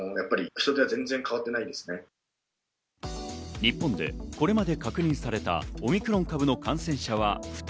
日本でこれまで確認されたオミクロン株の感染者は２人。